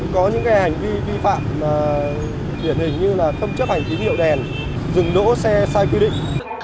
có những hành vi vi phạm biển hình như không chấp hành tín hiệu đèn rừng đỗ xe sai quy định